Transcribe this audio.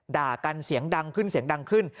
ด่ากันเสียงดังขึ้นเสียงดังขึ้น